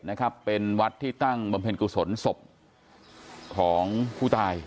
นะครับเป็นวัดที่ตั้งบำเพ็ญกุศลศพของผู้ตาย